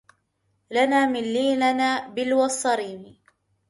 لنا من ليلنا بلِوى الصريمِ